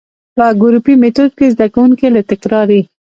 په ګروپي ميتود کي زده کوونکي له تکراري،